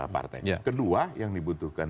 partai kedua yang dibutuhkan